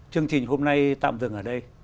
chương trình hôm nay tạm dừng ở đây